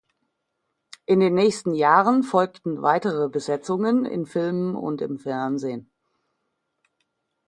In den nächsten Jahren folgten weitere Besetzungen in Filmen und im Fernsehen.